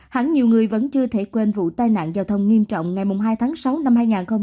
hẳn nhiều người vẫn chưa thể quên vụ tai nạn giao thông nghiêm trọng ngày hai tháng sáu năm hai nghìn hai mươi